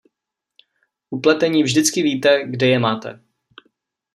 U pletení vždycky víte, kde je máte.